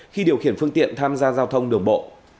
khi điều khiển phương tiện tham gia giao thông đường bộ